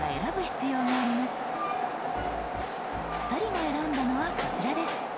２人が選んだのはこちらです。